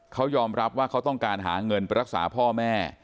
เขายอมรับว่าเขาต้องการหาเงินไปรักษาพ่อแม่